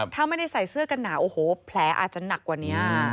ถ้าไม่ได้ใส่เสื้อกันหนาวโอ้โหแผลอาจจะหนักกว่านี้